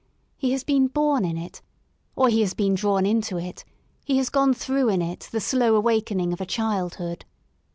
He has been born in it, or he has been drawn into it; he has gone through in it the slow awakening of a childhood.